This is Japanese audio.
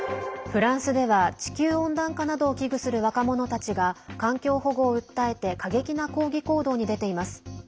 フランスでは地球温暖化などを危惧する若者たちが環境保護を訴えて過激な抗議行動に出ています。